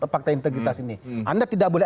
fakta integritas ini anda tidak boleh